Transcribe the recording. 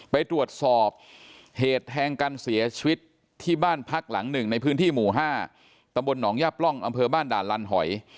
ไปตรวจสอบเหตุแทงการเสียชีวิตที่บ้านพักหลังหนึ่งในพื้นที่หมู่๕ตนยปร่องอบ้านด่านลันหอย